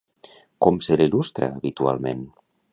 Com se l'il·lustra, habitualment?